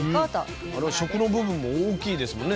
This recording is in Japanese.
食の部分も大きいですもんね。